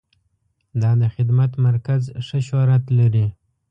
دا د خدمت مرکز ښه شهرت لري.